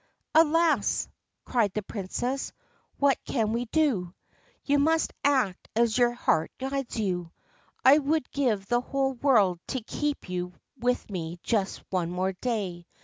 ' Alas I ' cried the Princess, ' what can we do ? You must act as your heart guides you. I would give the whole world to keep you with me just one more day.